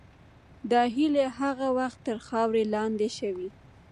دا هیلې هغه وخت تر خاورې لاندې شوې.